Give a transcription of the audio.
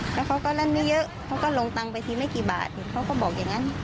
แล้วเขาก็เล่นไม่เยอะเขาก็ลงตังค์ไปสิไม่กี่บาทเขาก็บอกอย่างนั้น